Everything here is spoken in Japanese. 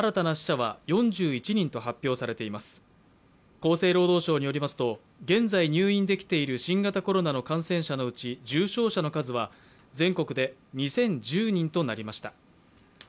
厚生労働省によりますと現在入院できている新型コロナの感染者のうち重症者の数は全国で２０１０人となりました。